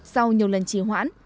sau nhiều lần trì hoãn